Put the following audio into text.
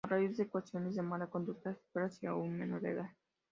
A raíz de acusaciones de mala conducta sexual hacia un menor de edad;.